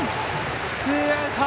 ツーアウト。